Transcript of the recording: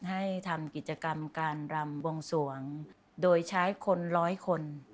ให้ทำกิจกรรมการรำบวงสวงโดยใช้คนร้อยคน